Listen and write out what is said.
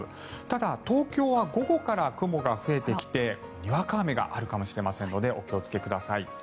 ただ、東京は午後から雲が増えてきてにわか雨があるかもしれませんのでお気をつけください。